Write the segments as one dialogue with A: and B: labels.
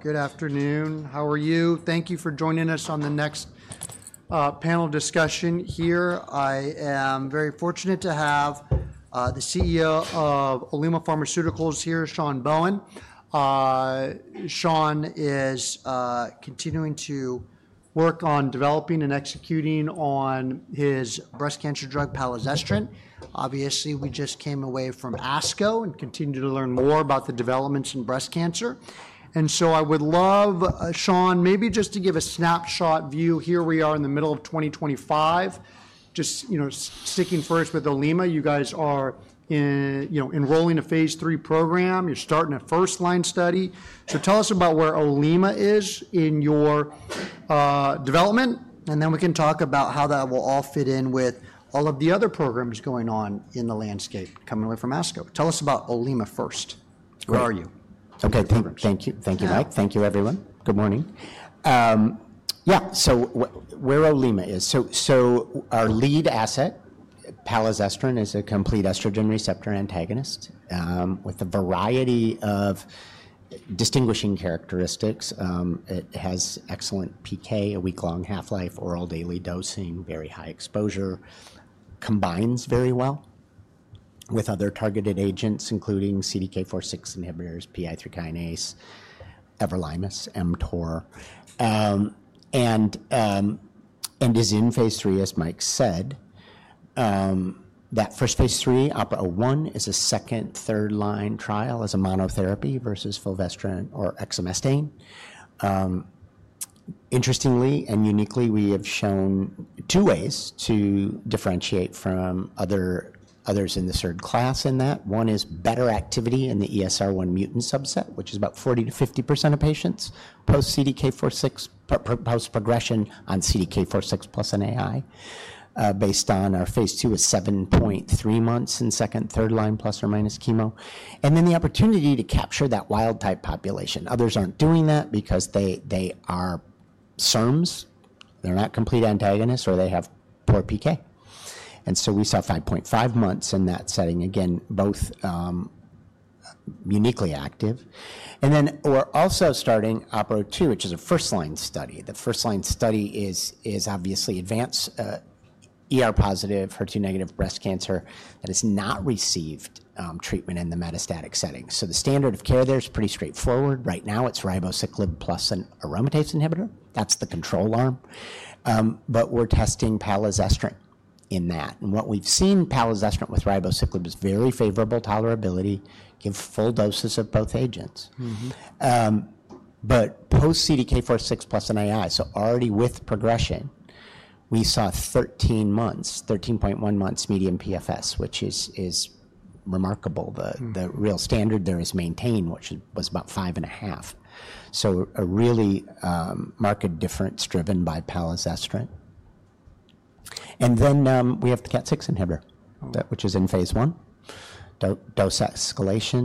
A: Good afternoon. How are you? Thank you for joining us on the next panel discussion here. I am very fortunate to have the CEO of Olema Pharmaceuticals here, Sean Bohen. Sean is continuing to work on developing and executing on his breast cancer drug, palazestrant. Obviously, we just came away from ASCO and continue to learn more about the developments in breast cancer. I would love, Sean, maybe just to give a snapshot view. Here we are in the middle of 2025, just, you know, sticking first with Olema. You guys are enrolling in a phase III program. You're starting a first line study. Tell us about where Olema is in your development, and then we can talk about how that will all fit in with all of the other programs going on in the landscape coming away from ASCO. Tell us about Olema first. Where are you?
B: Okay, thank you. Thank you, Mike. Thank you, everyone. Good morning. Yeah, so where Olema is, so our lead asset, palazestrant, is a complete estrogen receptor antagonist with a variety of distinguishing characteristics. It has excellent PK, a week-long half-life, oral daily dosing, very high exposure, combines very well with other targeted agents, including CDK4/6 inhibitors, PI3 kinase, everolimus, mTOR, and is in phase III, as Mike said. That first phase III, OPERA-01, is a second, third line trial as a monotherapy versus fulvestrant or exemestane. Interestingly and uniquely, we have shown two ways to differentiate from others in the third class in that one is better activity in the ESR1 mutant subset, which is about 40%-50% of patients post-CDK4/6, post-progression on CDK4/6 plus an AI, based on our phase II is 7.3 months in second, third line plus or minus chemo. Then the opportunity to capture that wild type population. Others are not doing that because they are SERMs. They are not complete antagonists or they have poor PK. We saw 5.5 months in that setting, again, both uniquely active. We are also starting OPERA-02, which is a first line study. The first line study is obviously advanced positive, HER2 negative breast cancer that has not received treatment in the metastatic setting. The standard of care there is pretty straightforward. Right now, it is ribociclib plus an aromatase inhibitor. That is the control arm. We are testing palazestrant in that. What we have seen, palazestrant with ribociclib is very favorable tolerability, give full doses of both agents. Post-CDK4/6 plus an AI, so already with progression, we saw 13 months, 13.1 months median PFS, which is remarkable. The real standard there is maintained, which was about 5.5. A really marked difference driven by palazestrant. We have the CDK4/6 inhibitor, which is in phase I, dose escalation.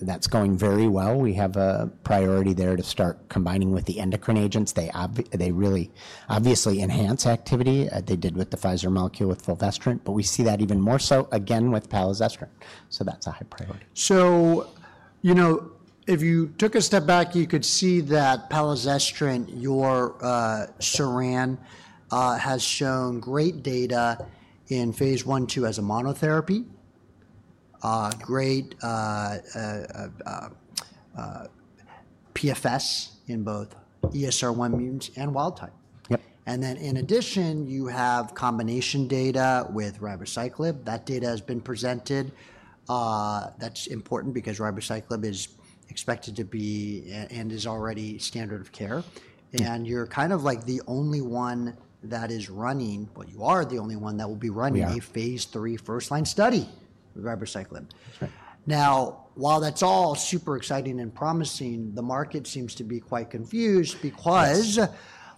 B: That is going very well. We have a priority there to start combining with the endocrine agents. They really obviously enhance activity as they did with the Pfizer molecule with fulvestrant, but we see that even more so again with palazestrant. That is a high priority.
A: You know, if you took a step back, you could see that palazestrant, your SERD, has shown great data in phase I, phase II as a monotherapy, great PFS in both ESR1 mutants and wild-type. In addition, you have combination data with ribociclib. That data has been presented. That's important because ribociclib is expected to be and is already standard of care. You're kind of like the only one that is running, well, you are the only one that will be running a phase III first line study with ribociclib. Now, while that's all super exciting and promising, the market seems to be quite confused because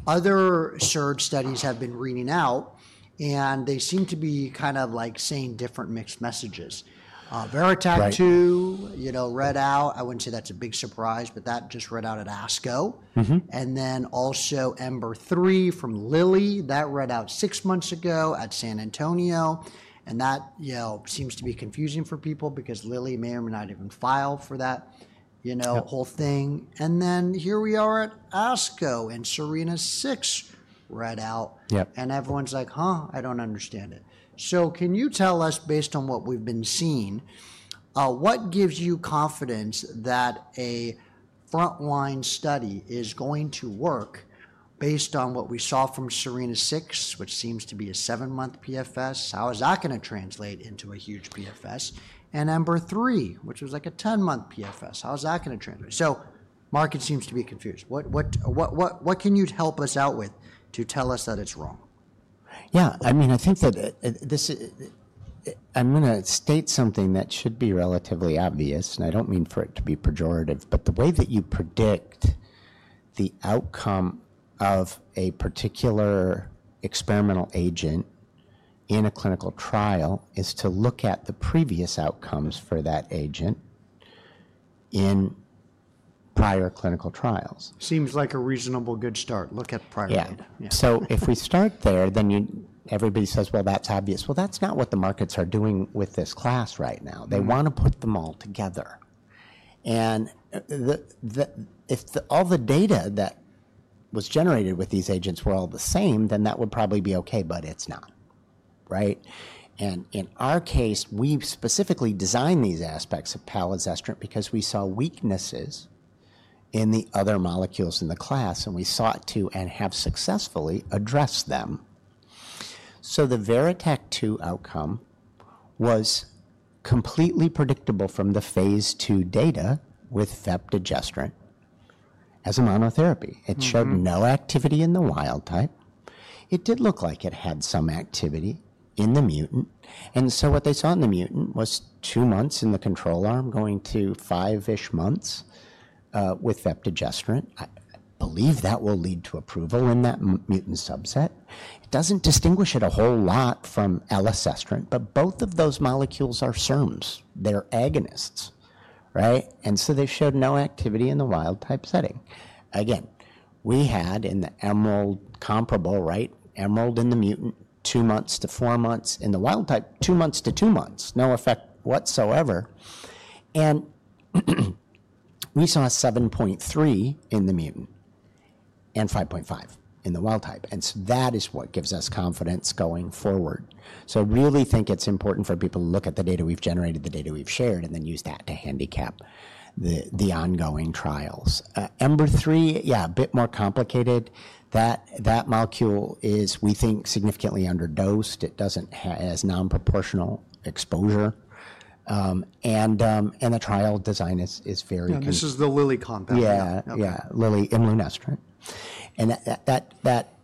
A: other SERD studies have been reading out and they seem to be kind of like saying different mixed messages. VERITAC-2, you know, read out, I wouldn't say that's a big surprise, but that just read out at ASCO. Then also EMBER-3 from Lilly that read out six months ago at San Antonio. That, you know, seems to be confusing for people because Lilly may or may not even file for that, you know, whole thing. Here we are at ASCO and SERENA-6 read out and everyone's like, huh, I don't understand it. Can you tell us, based on what we've been seeing, what gives you confidence that a front line study is going to work based on what we saw from SERENA-6, which seems to be a seven month PFS? How is that going to translate into a huge PFS? EMBER-3, which was like a 10 month PFS, how is that going to translate? Market seems to be confused. What can you help us out with to tell us that it's wrong?
B: Yeah, I mean, I think that this is, I'm going to state something that should be relatively obvious, and I don't mean for it to be pejorative, but the way that you predict the outcome of a particular experimental agent in a clinical trial is to look at the previous outcomes for that agent in prior clinical trials.
A: Seems like a reasonably good start. Look at prior data.
B: Yeah. If we start there, then everybody says, well, that's obvious. That is not what the markets are doing with this class right now. They want to put them all together. If all the data that was generated with these agents were all the same, that would probably be okay, but it's not, right? In our case, we specifically designed these aspects of palazestrant because we saw weaknesses in the other molecules in the class and we sought to and have successfully addressed them. The VERITAC-2 outcome was completely predictable from the phase II data with vepdegestrant as a monotherapy. It showed no activity in the wild type. It did look like it had some activity in the mutant. What they saw in the mutant was two months in the control arm, going to five-ish months with vepdegestrant. I believe that will lead to approval in that mutant subset. It doesn't distinguish it a whole lot from elacestrant, but both of those molecules are SERMs. They're agonists, right? They showed no activity in the wild type setting. Again, we had in the EMERALD comparable, right? EMERALD in the mutant, two months to four months; in the wild type, two months to two months, no effect whatsoever. We saw 7.3 in the mutant and 5.5 in the wild type. That is what gives us confidence going forward. I really think it's important for people to look at the data we've generated, the data we've shared, and then use that to handicap the ongoing trials. EMBER-3, yeah, a bit more complicated. That molecule is, we think, significantly underdosed. It doesn't have as non-proportional exposure. The trial design is very confusing.
A: This is the Lilly compound.
B: Yeah, yeah, Lilly imlunestrant. And that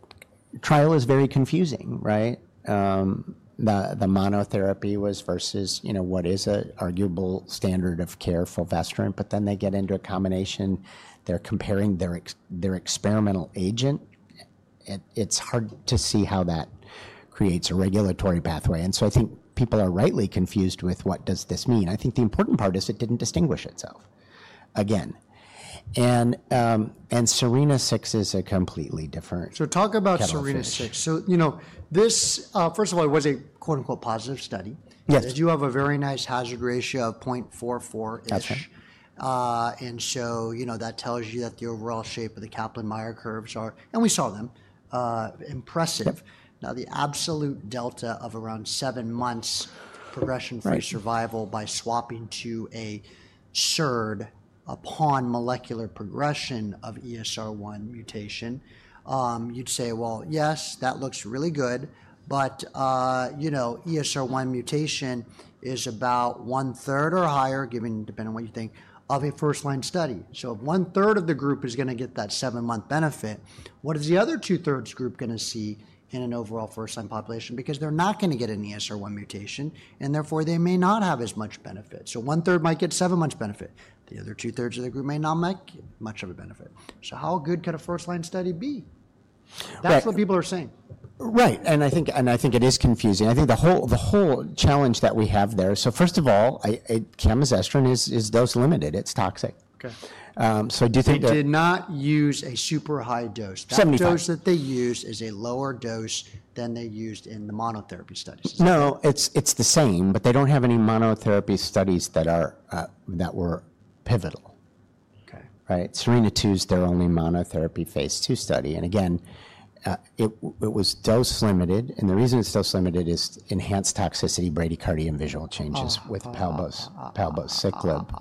B: trial is very confusing, right? The monotherapy was versus, you know, what is an arguable standard of care for fulvestrant, but then they get into a combination, they're comparing their experimental agent. It's hard to see how that creates a regulatory pathway. I think people are rightly confused with what does this mean. I think the important part is it didn't distinguish itself again. And SERENA-6 is a completely different.
A: Talk about SERENA-6. You know, this, first of all, it was a quote unquote positive study.
B: Yes.
A: You have a very nice hazard ratio of 0.44.
B: That's right.
A: You know, that tells you that the overall shape of the Kaplan-Meier curves are, and we saw them, impressive. Now, the absolute delta of around seven months progression-free survival by swapping to a SERD upon molecular progression of ESR1 mutation, you'd say, yes, that looks really good. You know, ESR1 mutation is about 1/3 or higher, given, depending on what you think, of a first line study. If 1/3 of the group is going to get that seven month benefit, what is the other 2/3 group going to see in an overall first line population? They're not going to get an ESR1 mutation, and therefore they may not have as much benefit. 1/3 might get seven months benefit. The other 2/3 of the group may not make much of a benefit. How good could a first line study be? That's what people are saying.
B: Right. I think it is confusing. I think the whole challenge that we have there, first of all, camizestrant is dose limited. It is toxic. I do think.
A: They did not use a super high dose.
B: 75.
A: The dose that they used is a lower dose than they used in the monotherapy studies.
B: No, it's the same, but they don't have any monotherapy studies that were pivotal. Right? SERENA-2 is their only monotherapy phase II study. It was dose limited. The reason it's dose limited is enhanced toxicity, bradycardia, and visual changes with palbociclib.
A: They,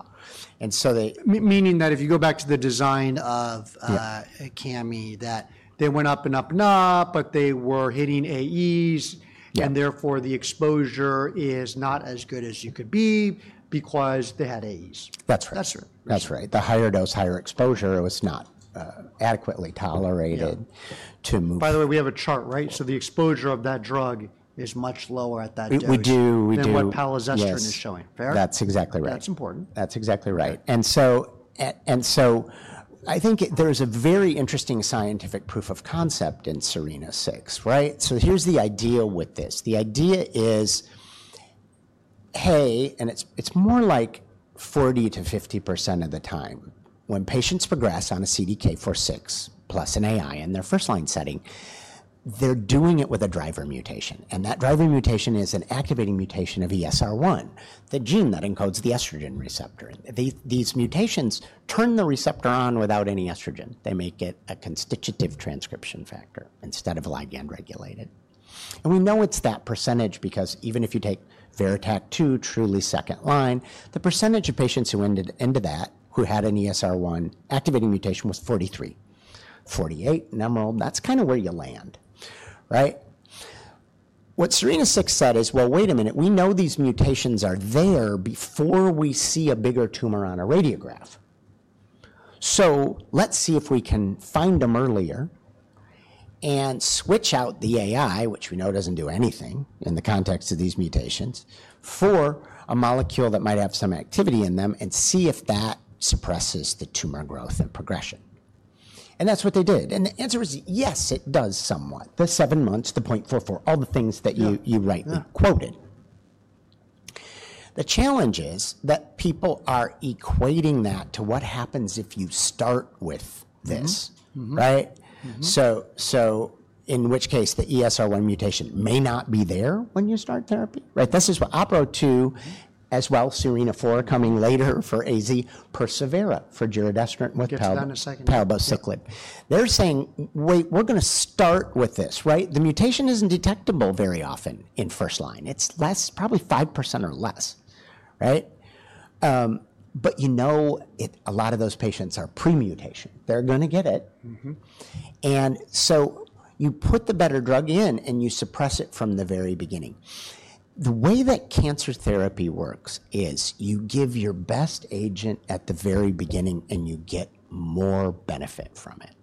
A: meaning that if you go back to the design of camizestrant, they went up and up and up, but they were hitting AEs, and therefore the exposure is not as good as you could be because they had AEs.
B: That's right. That's right. The higher dose, higher exposure, it was not adequately tolerated to move.
A: By the way, we have a chart, right? The exposure of that drug is much lower at that dose.
B: We do.
A: Than what palazestrant is showing. Fair?
B: That's exactly right.
A: That's important.
B: That's exactly right. I think there's a very interesting scientific proof of concept in SERENA-6, right? The idea is, hey, it's more like 40%-50% of the time when patients progress on a CDK4/6 plus an aromatase inhibitor in their first-line setting, they're doing it with a driver mutation. That driver mutation is an activating mutation of ESR1, the gene that encodes the estrogen receptor. These mutations turn the receptor on without any estrogen. They make it a constitutive transcription factor instead of ligand regulated. We know it's that percentage because even if you take VERITAC-2, truly second line, the percentage of patients who entered into that who had an ESR1 activating mutation was 43%. Forty-eight, that number, that's kind of where you land, right? What SERENA-6 said is, wait a minute, we know these mutations are there before we see a bigger tumor on a radiograph. Let's see if we can find them earlier and switch out the aromatase inhibitor, which we know does not do anything in the context of these mutations, for a molecule that might have some activity in them and see if that suppresses the tumor growth and progression. That is what they did. The answer is yes, it does somewhat. The seven months, the 0.44, all the things that you rightly quoted. The challenge is that people are equating that to what happens if you start with this, right? In which case the ESR1 mutation may not be there when you start therapy, right? This is what OPERA-02 as well, SERENA-4 coming later for AstraZeneca, Persevera for giredestrant with palbociclib. They're saying, wait, we're going to start with this, right? The mutation isn't detectable very often in first line. It's less, probably 5% or less, right? But you know, a lot of those patients are pre-mutation. They're going to get it. You put the better drug in and you suppress it from the very beginning. The way that cancer therapy works is you give your best agent at the very beginning and you get more benefit from it.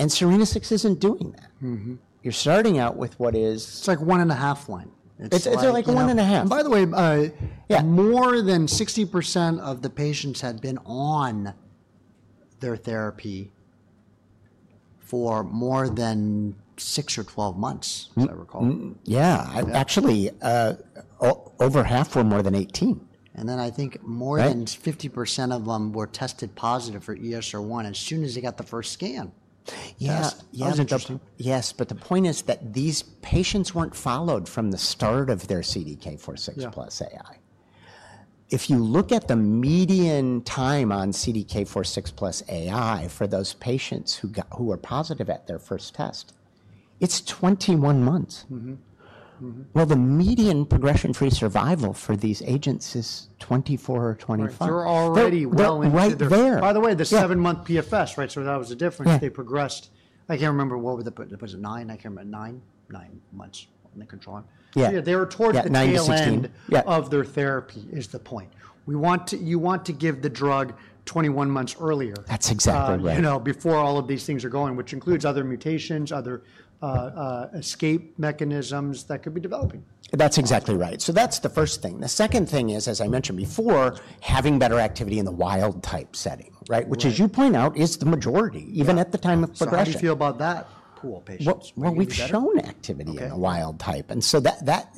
B: SEREANA-6 isn't doing that. You're starting out with what is.
A: It's like 1.5 line.
B: It's like 1.5.
A: By the way, more than 60% of the patients had been on their therapy for more than six or 12 months, as I recall.
B: Yeah, actually over half were more than 18%.
A: I think more than 50% of them were tested positive for ESR1 as soon as they got the first scan.
B: Yes.
A: That was interesting.
B: Yes, but the point is that these patients weren't followed from the start of their CDK4/6 plus AI. If you look at the median time on CDK4/6 plus AI for those patients who were positive at their first test, it's 21 months. The median progression-free survival for these agents is 24 or 25.
A: They're already well in there.
B: Right there.
A: By the way, the seven month PFS, right? That was the difference. They progressed. I can't remember what was it, was it nine? I can't remember, nine, nine months in the control arm. Yeah, they were towards the tail end of their therapy is the point. You want to give the drug 21 months earlier.
B: That's exactly right.
A: You know, before all of these things are going, which includes other mutations, other escape mechanisms that could be developing.
B: That's exactly right. That's the first thing. The second thing is, as I mentioned before, having better activity in the wild type setting, right? Which, as you point out, is the majority, even at the time of progression.
A: How do you feel about that pool of patients?
B: We have shown activity in the wild type.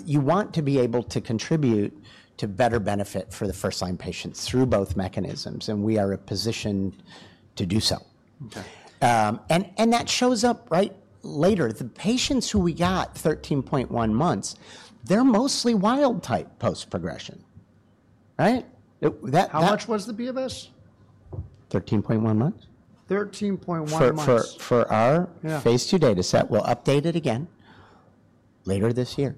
B: You want to be able to contribute to better benefit for the first line patients through both mechanisms. We are positioned to do so. That shows up right later. The patients who we got 13.1 months, they are mostly wild type post progression, right?
A: How much was the PFS?
B: 13.1 months.
A: 13.1 months.
B: For our phase II data set, we'll update it again later this year.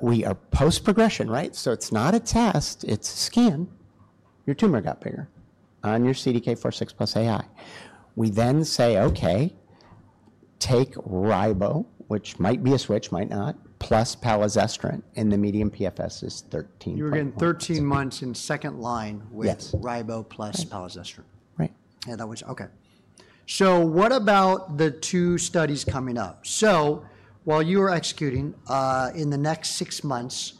B: We are post progression, right? It is not a test, it is a scan. Your tumor got bigger on your CDK4/6 plus AI. We then say, okay, take Ribo, which might be a switch, might not, plus palazestrant and the median PFS is 13.3.
A: You're in 13 months in second line with Ribo plus palazestrant.
B: Right.
A: That was, okay. What about the two studies coming up? While you are executing, in the next six months,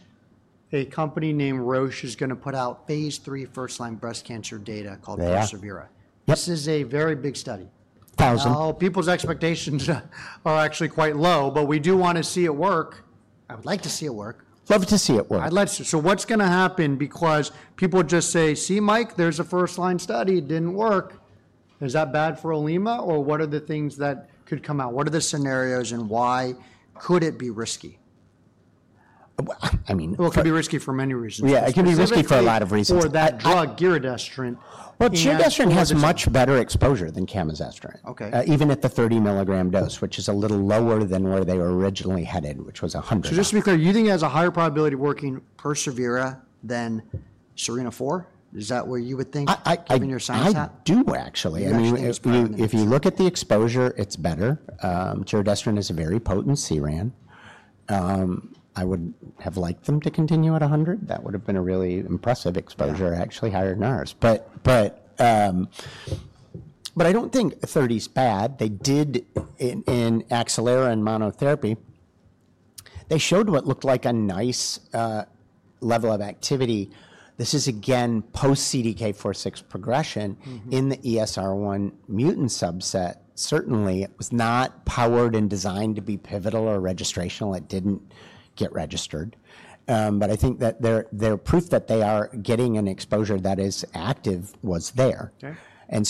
A: a company named Roche is going to put out phase III first line breast cancer data called Persevera. This is a very big study.
B: Thousand.
A: People's expectations are actually quite low, but we do want to see it work. I would like to see it work.
B: Love to see it work.
A: I'd like to see it. What's going to happen? Because people just say, see Mike, there's a first line study, it didn't work. Is that bad for Olema? Or what are the things that could come out? What are the scenarios and why could it be risky?
B: I mean.
A: It could be risky for many reasons.
B: Yeah, it can be risky for a lot of reasons.
A: For that drug, giredestrant.
B: Giredestrant has much better exposure than camizestrant, even at the 30 mg dose, which is a little lower than where they were originally headed, which was 100 mg.
A: Just to be clear, you think it has a higher probability of working in Persevera than SERENA-4? Is that where you would think in your science?
B: I do actually. I mean, if you look at the exposure, it's better. Giredestrant is a very potent SERD. I would have liked them to continue at 100 mg. That would have been a really impressive exposure, actually higher than ours. I do not think 30 mg is bad. They did in Accelerate and monotherapy, they showed what looked like a nice level of activity. This is again, post CDK4/6 progression in the ESR1 mutant subset. Certainly, it was not powered and designed to be pivotal or registrational. It did not get registered. I think that their proof that they are getting an exposure that is active was there.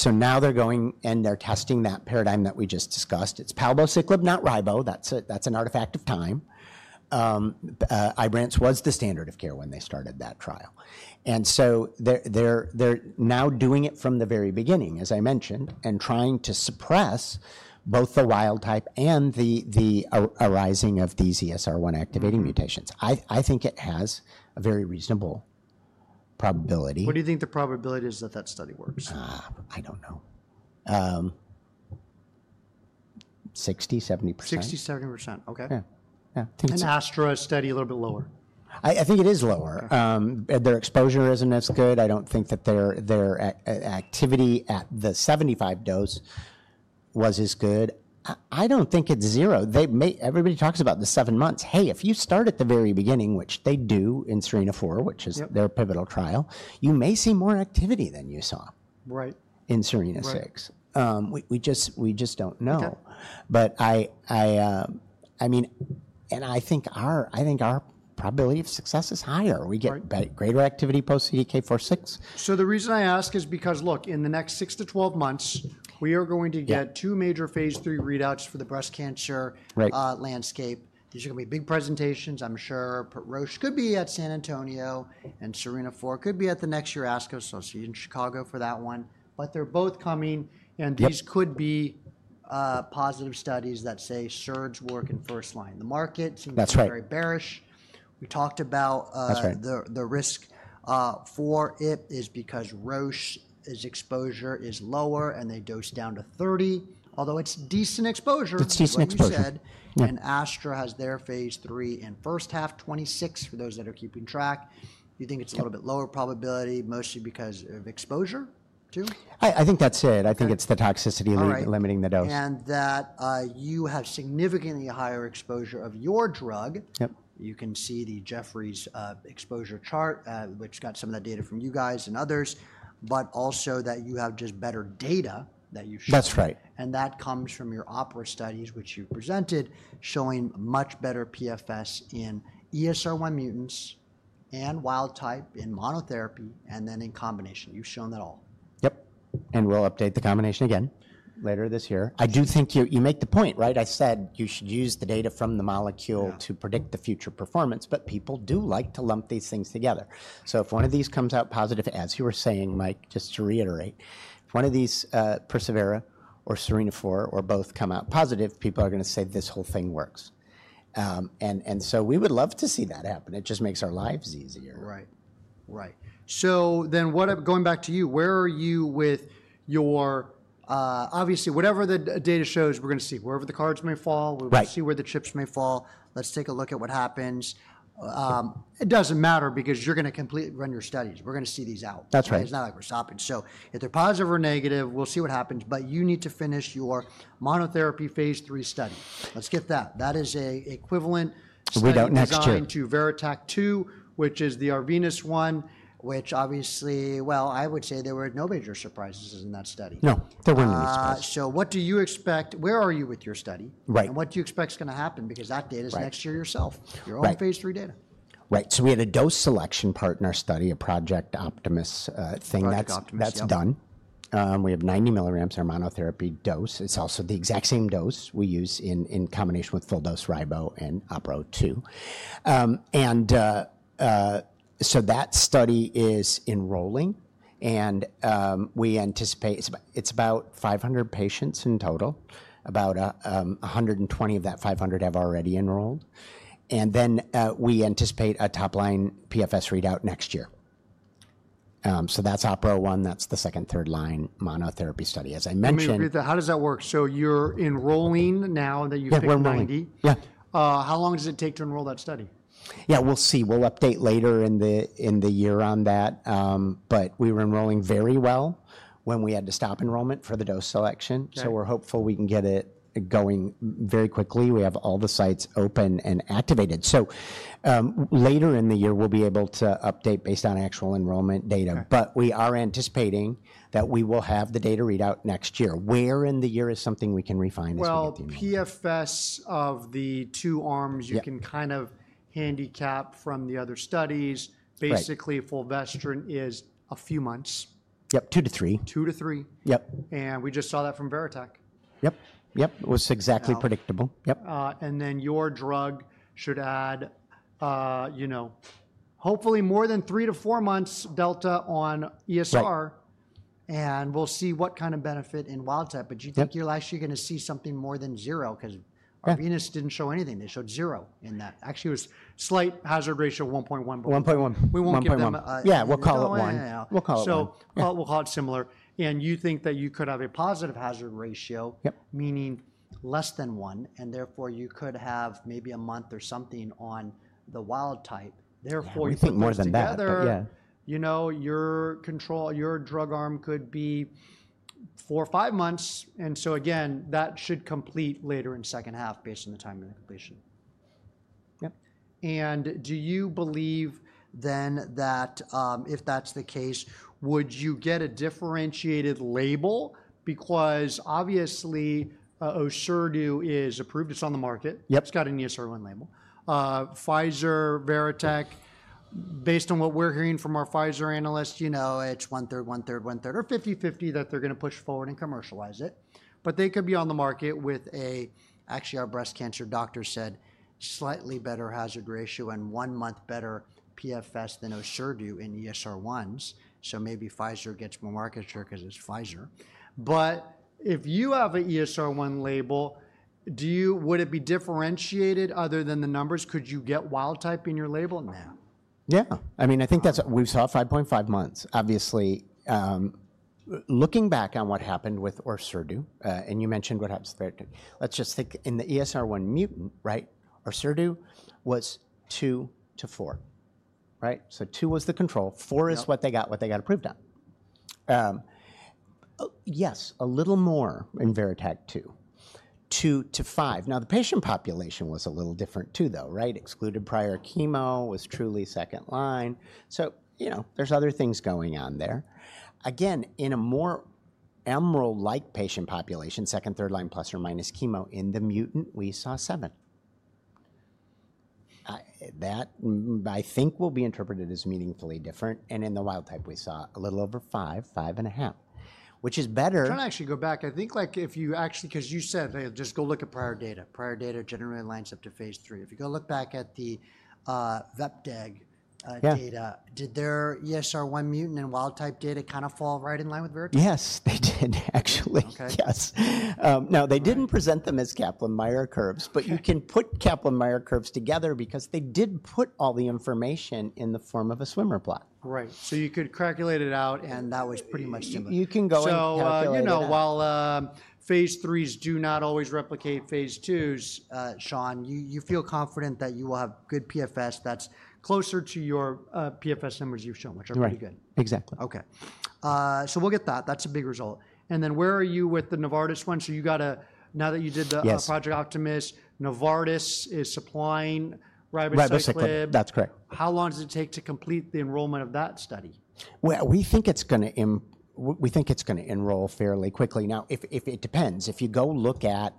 B: Now they are going and they are testing that paradigm that we just discussed. It is palbociclib, not ribociclib. That is an artifact of time. Ibrance was the standard of care when they started that trial. They are now doing it from the very beginning, as I mentioned, and trying to suppress both the wild type and the arising of these ESR1 activating mutations. I think it has a very reasonable probability.
A: What do you think the probability is that that study works?
B: I don't know. 60%-70%.
A: 60%-70%. Okay.
B: Yeah.
A: Astra study a little bit lower.
B: I think it is lower. Their exposure isn't as good. I don't think that their activity at the 75 mg dose was as good. I don't think it's zero. Everybody talks about the seven months. Hey, if you start at the very beginning, which they do in SERENA-4, which is their pivotal trial, you may see more activity than you saw in SERENA-6. We just don't know. I mean, and I think our probability of success is higher. We get greater activity post CDK4/6.
A: The reason I ask is because, look, in the next six to 12 months, we are going to get two major phase III readouts for the breast cancer landscape. These are going to be big presentations, I'm sure. Roche could be at San Antonio and SERENA-4 could be at the next year ASCO associated in Chicago for that one. They're both coming. These could be positive studies that say SERDs work in first line. The market seems to be very bearish. We talked about the risk for it is because Roche's exposure is lower and they dose down to 30 mg, although it's decent exposure.
B: It's decent exposure.
A: AstraZeneca has their phase III in the first half of 2026 for those that are keeping track. You think it's a little bit lower probability, mostly because of exposure too?
B: I think that's it. I think it's the toxicity limiting the dose.
A: You have significantly higher exposure of your drug. You can see the Jefferies exposure chart, which got some of that data from you guys and others, but also that you have just better data that you should.
B: That's right.
A: That comes from your OPERA studies, which you presented showing much better PFS in ESR1 mutants and wild type in monotherapy and then in combination. You've shown that all.
B: Yep. We will update the combination again later this year. I do think you make the point, right? I said you should use the data from the molecule to predict the future performance, but people do like to lump these things together. If one of these comes out positive, as you were saying, Mike, just to reiterate, if one of these, Persevera or SERENA-4 or both come out positive, people are going to say this whole thing works. We would love to see that happen. It just makes our lives easier.
A: Right. Right. Going back to you, where are you with your, obviously, whatever the data shows, we're going to see where the cards may fall. We'll see where the chips may fall. Let's take a look at what happens. It doesn't matter because you're going to completely run your studies. We're going to see these out.
B: That's right.
A: It's not like we're stopping. If they're positive or negative, we'll see what happens. You need to finish your monotherapy phase III study. Let's get that. That is an equivalent.
B: We don't next year.
A: You're going to VERITAC-2, which is the Arvinas one, which obviously, well, I would say there were no major surprises in that study.
B: No, there weren't any surprises.
A: What do you expect? Where are you with your study? What do you expect is going to happen? Because that data is next year yourself. Your own phase III data.
B: Right. We had a dose selection part in our study, a project optimist thing, that's done. We have 90 mg in our monotherapy dose. It's also the exact same dose we use in combination with full dose ribociclib in OPERA-02. That study is enrolling. We anticipate it's about 500 patients in total. About 120 of that 500 have already enrolled. We anticipate a top line PFS readout next year. That's OPERA-01. That's the second, third line monotherapy study, as I mentioned.
A: How does that work? You're enrolling now that you've hit 90.
B: Yeah.
A: How long does it take to enroll that study?
B: Yeah, we'll see. We'll update later in the year on that. We were enrolling very well when we had to stop enrollment for the dose selection. We are hopeful we can get it going very quickly. We have all the sites open and activated. Later in the year, we'll be able to update based on actual enrollment data. We are anticipating that we will have the data readout next year. Where in the year is something we can refine as we continue?
A: PFS of the two arms you can kind of handicap from the other studies. Basically, Fulvestrant is a few months.
B: Yep, two to three.
A: Two to three.
B: Yep.
A: We just saw that from VERITAC-2.
B: Yep. Yep. It was exactly predictable. Yep.
A: Your drug should add, you know, hopefully more than three to four months delta on ESR. We'll see what kind of benefit in wild type. Do you think you're actually going to see something more than zero? Because Arvinas didn't show anything. They showed zero in that. Actually, it was slight hazard ratio 1.1.
B: 1.1.
A: We won't give them a 1.1.
B: Yeah, we'll call it one. We'll call it one.
A: We'll call it similar. You think that you could have a positive hazard ratio, meaning less than one. Therefore, you could have maybe a month or something on the wild type.
B: You think more than that.
A: You know, your control, your drug arm could be four or five months. Again, that should complete later in second half based on the time of the completion.
B: Yep.
A: Do you believe then that if that's the case, would you get a differentiated label? Because obviously, Orserdu is approved. It's on the market. It's got an ESR1 label. Pfizer, vepdegestrant, based on what we're hearing from our Pfizer analysts, you know, it's 1/3, 1/3, 1/3, or 50/50 that they're going to push forward and commercialize it. They could be on the market with a, actually, our breast cancer doctor said slightly better hazard ratio and one month better PFS than Orserdu in ESR1s. Maybe Pfizer gets more market share because it's Pfizer. If you have an ESR1 label, would it be differentiated other than the numbers? Could you get wild type in your label?
B: No. Yeah. I mean, I think that's what we saw, 5.5 months. Obviously, looking back on what happened with elacestrant, and you mentioned what happens there. Let's just think in the ESR1 mutant, right? Elacestrant was two to four, right? So two was the control. Four is what they got, what they got approved on. Yes, a little more in VERITAC-2, two to five. Now, the patient population was a little different too, though, right? Excluded prior chemo, was truly second line. You know, there's other things going on there. Again, in a more EMERALD-like patient population, second, third line plus or minus chemo in the mutant, we saw seven. That I think will be interpreted as meaningfully different. In the wild type, we saw a little over five, five and a half, which is better.
A: I'm trying to actually go back. I think like if you actually, because you said, just go look at prior data. Prior data generally lines up to phase III. If you go look back at the vepdegestrant data, did their ESR1 mutant and wild type data kind of fall right in line with VERITAC-2?
B: Yes, they did, actually. Yes. Now, they didn't present them as Kaplan-Meier curves, but you can put Kaplan-Meier curves together because they did put all the information in the form of a Schwimmer plot.
A: Right. You could calculate it out and that was pretty much similar.
B: You can go and have a feel for that.
A: You know, while phase IIIs do not always replicate phase IIs, Sean, you feel confident that you will have good PFS that's closer to your PFS numbers you've shown, which are pretty good.
B: Right. Exactly.
A: Okay. We'll get that. That's a big result. Where are you with the Novartis one? You got to, now that you did the project optimist, Novartis is supplying ribociclib.
B: Right. Basically, that's correct.
A: How long does it take to complete the enrollment of that study?
B: We think it's going to enroll fairly quickly. Now, it depends, if you go look at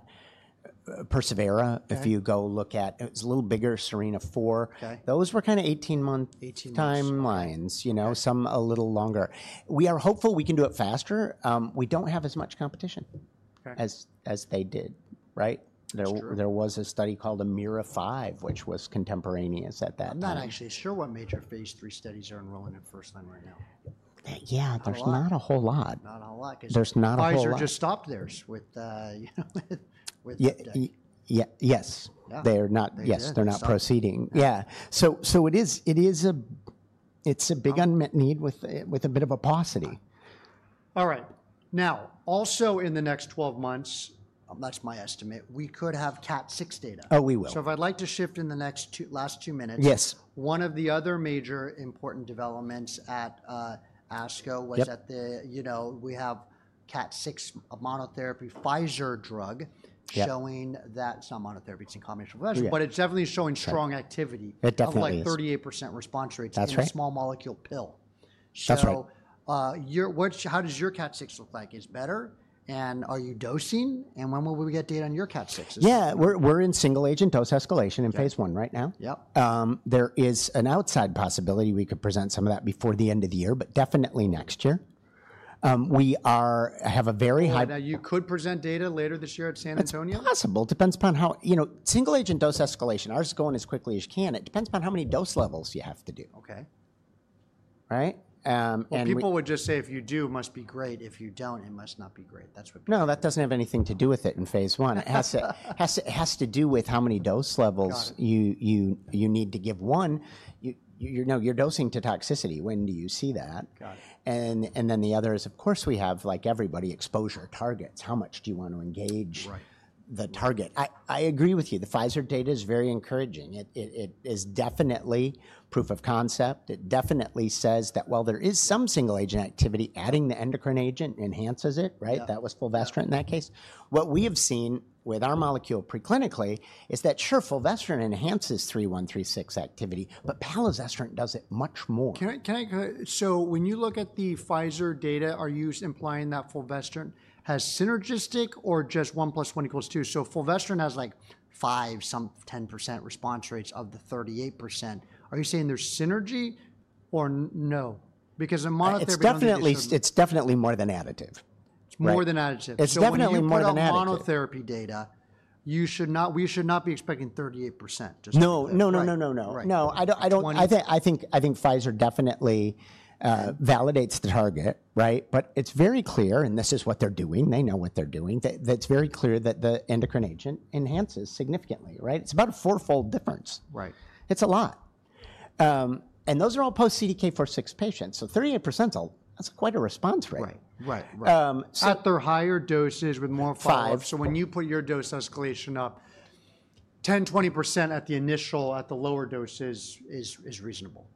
B: Persevera, if you go look at, it was a little bigger, SERENA-4. Those were kind of 18-month timelines, you know, some a little longer. We are hopeful we can do it faster. We don't have as much competition as they did, right? There was a study called AMIRA-5, which was contemporaneous at that time.
A: I'm not actually sure what major phase III studies are enrolling in first line right now.
B: Yeah, there's not a whole lot.
A: Not a whole lot.
B: There's not a whole lot.
A: Pfizer just stopped theirs with.
B: Yes. They're not, yes, they're not proceeding. Yeah. It is a big unmet need with a bit of a paucity.
A: All right. Now, also in the next 12 months, that's my estimate, we could have SERENA-6 data.
B: Oh, we will.
A: If I'd like to shift in the next last two minutes.
B: Yes.
A: One of the other major important developments at ASCO was at the, you know, we have camizestrant monotherapy, Pfizer drug showing that. Some monotherapy in combination with that. It's definitely showing strong activity.
B: It definitely is.
A: Of like 38% response rates in a small molecule pill.
B: That's right.
A: How does your Cat 6 look like? Is it better? Are you dosing? When will we get data on your Cat 6?
B: Yeah, we're in single agent dose escalation in phase I right now. Yep. There is an outside possibility we could present some of that before the end of the year, but definitely next year. We have a very high.
A: Now, you could present data later this year at San Antonio?
B: It's possible. Depends upon how, you know, single agent dose escalation. Ours is going as quickly as you can. It depends upon how many dose levels you have to do.
A: Okay.
B: Right?
A: People would just say if you do, it must be great. If you don't, it must not be great. That's what people.
B: No, that does not have anything to do with it in phase I. It has to do with how many dose levels you need to give one. No, you are dosing to toxicity. When do you see that? The other is, of course, we have, like everybody, exposure targets. How much do you want to engage the target? I agree with you. The Pfizer data is very encouraging. It is definitely proof of concept. It definitely says that while there is some single agent activity, adding the endocrine agent enhances it, right? That was fulvestrant in that case. What we have seen with our molecule preclinically is that sure, fulvestrant enhances 3136 activity, but palazestrant does it much more.
A: Can I? When you look at the Pfizer data, are you implying that fulvestrant has synergistic or just one plus one equals two? Fulvestrant has like 5%, some 10% response rates of the 38%. Are you saying there's synergy or no? Because in monotherapy.
B: It's definitely more than additive.
A: It's more than additive.
B: It's definitely more than additive.
A: For monotherapy data, we should not be expecting 38%.
B: No, I think Pfizer definitely validates the target, right? It is very clear, and this is what they are doing. They know what they are doing. It is very clear that the endocrine agent enhances significantly, right? It is about a four-fold difference.
A: Right.
B: It's a lot. Those are all post-CDK4/6 patients. 38%, that's quite a response rate.
A: Right, right, right. At their higher doses with more five, so when you put your dose escalation up, 10%-20% at the initial, at the lower doses is reasonable.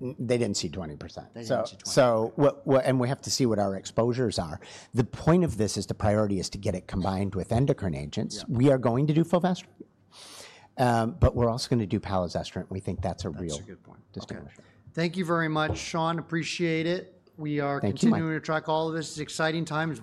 B: They didn't see 20%.
A: They didn't see 20%.
B: We have to see what our exposures are. The point of this is the priority is to get it combined with endocrine agents. We are going to do fulvestrant, but we're also going to do palazestrant. We think that's a real distinguisher.
A: Thank you very much, Sean. Appreciate it. We are continuing to track all of this. It's exciting times.